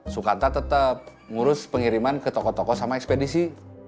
sukanta tetep ngurus pengiriman ke toko toko sama ekspedisi